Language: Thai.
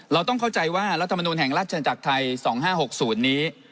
เราต้องเข้าใจว่ารัฐมนูลแห่งราชจันตร์จากไทย๒๕๖สูตรนี้